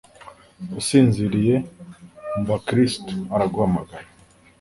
usinziriye, umva kristu araguhamagara